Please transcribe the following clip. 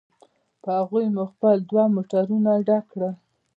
په هغوی مو خپل دوه موټرونه ډک کړل.